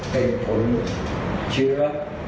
เป็นผลเชื้อ